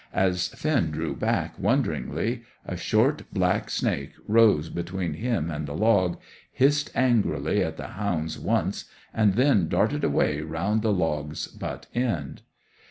As Finn drew back, wonderingly, a short black snake rose between him and the log, hissed angrily at the hounds once, and then darted away round the log's butt end.